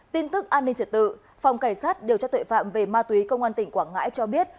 tin tức an ninh trật tự phòng cảnh sát điều tra tuệ phạm về ma túy công an tỉnh quảng ngãi cho biết